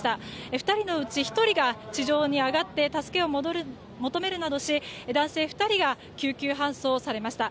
２人のうち１人が地上に上がって助けを求めるなどし男性２人が救急搬送されました。